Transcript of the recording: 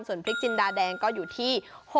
ส่วนพริกจินดาแดงก็อยู่ที่